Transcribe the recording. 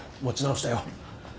持ち直したよ。